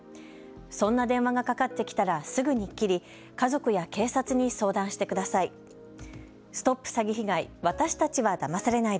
そんな電話がかかってきたらすぐに切り家族や警察に相談してください。